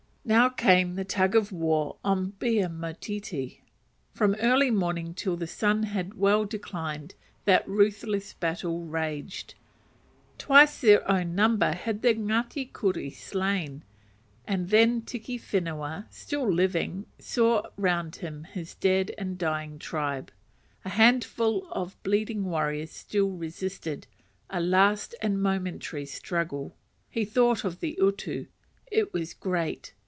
Now came the tug of war on "bare Motiti." From early morning till the sun had well declined, that ruthless battle raged. Twice their own number had the Ngati Kuri slain; and then Tiki Whenua, still living, saw around him his dead and dying tribe. A handful of bleeding warriors still resisted a last and momentary struggle. He thought of the utu; it was great.